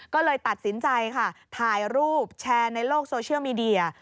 ก็เลยตัดสินใจค่ะถ่ายรูปแชร์ในโลกโซเชียลมีเดีย